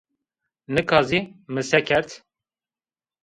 Nika zî, mi se kerd?